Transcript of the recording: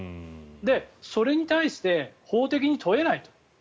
それに対して法的に問えないと。